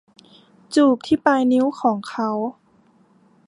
จูบที่ปลายนิ้วของเขา